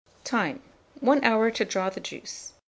Time. 1 hour to draw the juice.